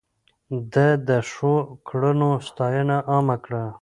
ده د ښو کړنو ستاينه عامه کړه.